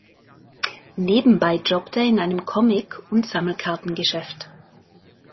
Nebenbei jobbt er in einem Comic- und Sammelkarten-Geschäft.